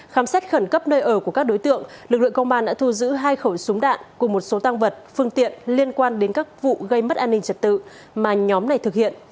khám xét khẩn cấp nơi ở của các đối tượng lực lượng công an đã thu giữ hai khẩu súng đạn cùng một số tăng vật phương tiện liên quan đến các vụ gây mất an ninh trật tự mà nhóm này thực hiện